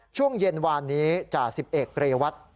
ช่วงเย็นวานนี้จ่า๑๑เรวัตต์